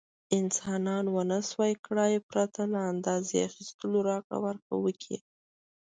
انسانانو ونشو کړای پرته له اندازې اخیستلو راکړه ورکړه وکړي.